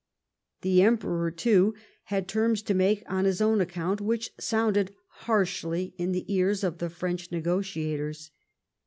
The Emperor, too, had terms to make on his own account which sounded harshly in the ears of the French negotiators.